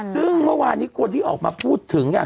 ซึ่งเมื่อวานนี้คนที่ออกมาพูดถึง